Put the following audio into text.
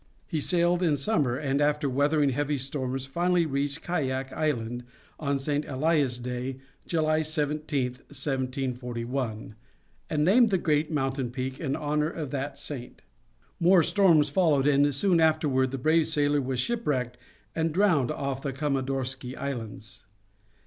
He sailed in summer, and after weathering heavy storms finally reached Kayak Island on St. Elias Day, July 17, 1741, and named the great mountain peak in honor of that saint. More storms followed, and soon afterward the brave sailor was shipwrecked and drowned off the Comandorski Islands.